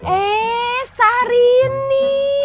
eh sehari ini